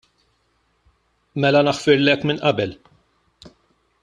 Mela naħfirlek minn qabel.